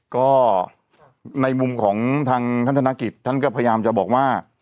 ก็ในมุมของทางท่านธนกิจท่านก็พยายามจะบอกว่า